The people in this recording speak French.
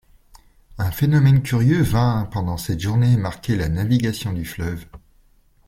Un phénomène curieux vint, pendant cette journée, marquer la navigation du fleuve.